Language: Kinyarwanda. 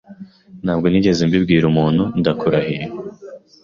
Ntabwo nigeze mbibwira umuntu, ndakurahiye.